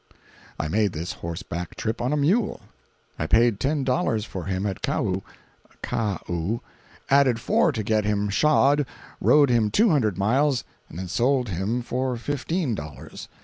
I made this horseback trip on a mule. I paid ten dollars for him at Kau (Kah oo), added four to get him shod, rode him two hundred miles, and then sold him for fifteen dollars.